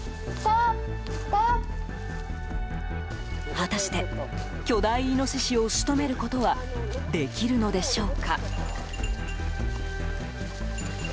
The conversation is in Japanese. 果たして、巨大イノシシを仕留めることはできるのでしょうか。